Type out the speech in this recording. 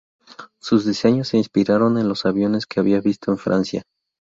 Sus diseños se inspiraron en los aviones que había visto en Francia.